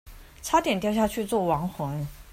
差點掉下去做亡魂